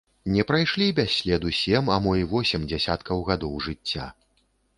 Не прайшлі без следу сем, а мо восем дзесяткаў гадоў жыцця.